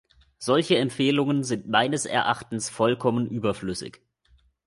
Solche Empfehlungen sind meines Erachtens vollkommen überflüssig.